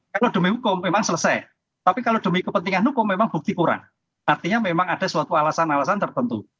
kalau demi hukum memang selesai tapi kalau demi kepentingan hukum memang bukti kurang artinya memang ada suatu alasan alasan tertentu